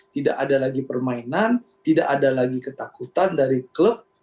tidak ada lagi permainan tidak ada lagi ketakutan dari klub